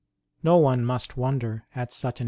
No one must wonder at such an 148 ST.